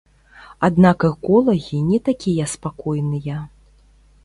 Аднак эколагі не такія спакойныя.